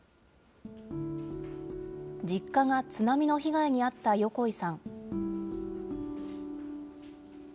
実家が津波の被害に遭った横井さん。